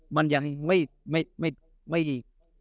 มันยังไม่